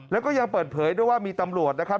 แล้วก็ยังเปิดเผยด้วยว่ามีตำรวจนะครับ